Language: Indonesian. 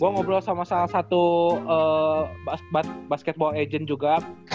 gue ngobrol sama salah satu basketball agent juga